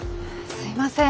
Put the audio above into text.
すいません